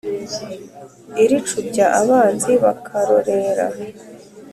iricubya abanzi bakarorera.